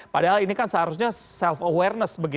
padahal ini kan seharusnya self awareness